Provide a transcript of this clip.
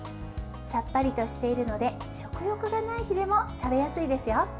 さっぱりとしているので食欲のない日でも食べやすいですよ。